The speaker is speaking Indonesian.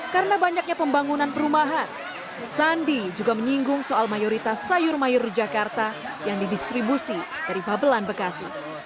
karena banyaknya pembangunan perumahan sandi juga menyinggung soal mayoritas sayur mayur jakarta yang didistribusi dari babelan bekasi